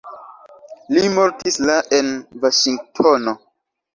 Li mortis la en Vaŝingtono.